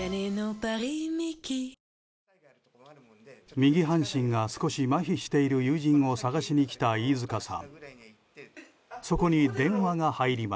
右半身が少しまひしている友人を捜しに来た飯塚さん。